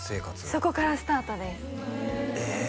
そこからスタートですえ